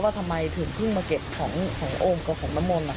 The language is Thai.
ว่าทำไมถึงเพิ่งมาเก็บของโอ้มกับของน้ำมนต์น่ะ